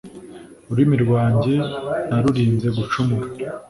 ururimi rwanjye narurinze gucumura